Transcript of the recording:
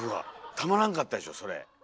たまらんかったでしょそれ。